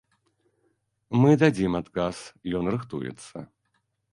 Мы дадзім адказ, ён рыхтуецца.